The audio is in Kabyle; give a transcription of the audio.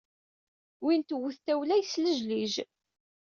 Win tewwet tawla, yeslejlij.